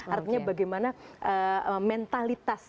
artinya bagaimana mentalitas